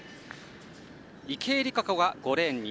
池江璃花子が５レーンに。